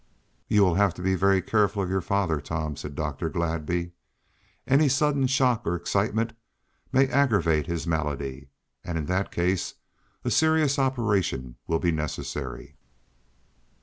"You will have to be very careful of your father, Tom," said Dr. Gladby. "Any sudden shock or excitement may aggravate his malady, and in that case a serious operation will be necessary."